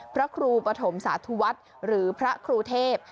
พระครูปฐมสาธุวัฒน์หรือพระครูเทพ